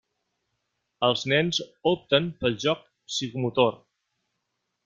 Els nens opten pel joc psicomotor.